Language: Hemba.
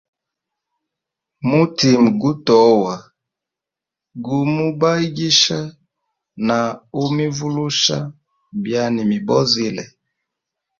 Mutima gutoa gumubayigisha na umivulusha byanimibozile.